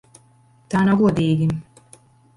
Tā nav godīgi!